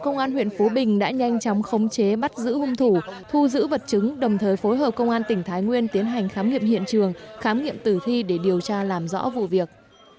công an huyện phú bình đã nhanh chóng khống chế bắt giữ hung thủ thu giữ vật chứng đồng thời phối hợp công an tỉnh thái nguyên tiến hành khám nghiệm hiện trường khám nghiệm tử thi để điều tra làm rõ vụ việc